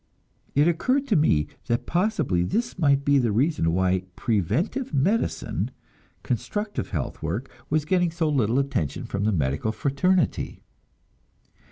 It occurred to me that possibly this might be the reason why "preventive medicine," constructive health work, was getting so little attention from the medical fraternity.